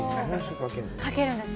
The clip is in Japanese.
かけるんです。